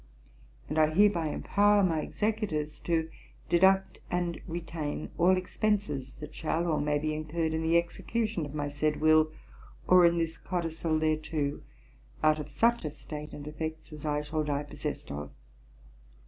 And I hereby empower my Executors to deduct and retain all expences that shall or may be incurred in the execution of my said Will, or of this Codicil thereto, out of such estate and effects as I shall die possessed of.